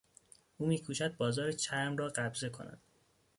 او میکوشد بازار چرم را قبضه کند.